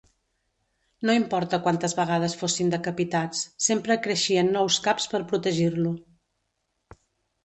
No importa quantes vegades fossin decapitats, sempre creixien nous caps per protegir-lo.